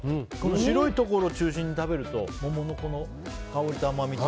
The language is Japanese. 白いところを中心に食べると桃の香りと甘みと。